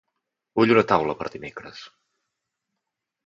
Vull una taula per dimecres.